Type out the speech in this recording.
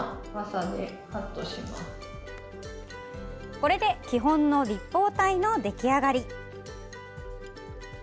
これで基本の立方体の出来上がり。